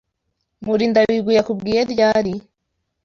Murindabigwi yakubwiye ryari?